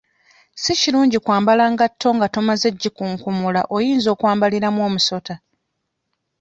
Si kirungi kwambala ngatto nga tomazze gikunkumula oyinza okwambaliramu omusota.